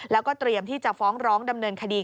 แล้วก็เตรียมที่จะฟ้องร้องดำเนินคดี